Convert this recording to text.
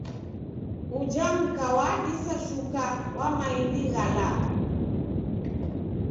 Uja mka wadisa shuka wa maindi gha lagha.